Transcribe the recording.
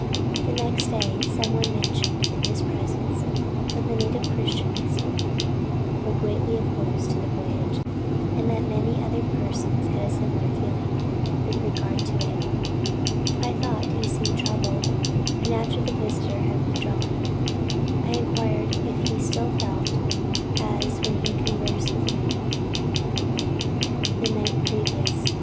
The next day some one mentioned in his presence, that the native Christians were greatly opposed to the voyage, and that many other persons had a similar feeling with regard to it I thought he seemed troubled; and after the visitor had withdrawn, I inquired if he still felt as when he conversed with me the night previous.